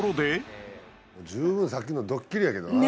十分さっきのどっきりやけどな。